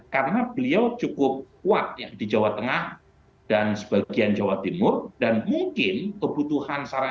karena beliau cukup kuat di jawa tengah dan sebagian jawa timur dan mungkin kebutuhan saran